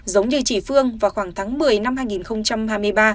giống như chị phương vào khoảng tháng một mươi năm hai nghìn hai mươi ba